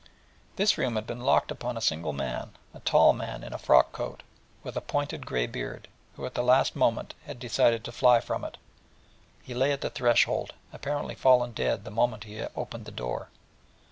This room had been locked upon a single man, a tall man in a frock coat, with a pointed grey beard, who at the last moment had decided to fly from it, for he lay at the threshold, apparently fallen dead the moment he opened the door.